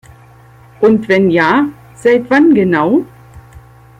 Und wenn ja, seit wann genau?